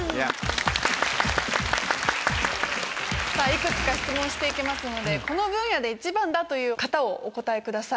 いくつか質問していきますのでこの分野で１番だという方をお答えください。